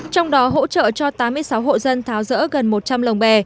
trong đó hỗ trợ cho tám mươi sáu hộ dân tháo rỡ gần một trăm linh lồng bè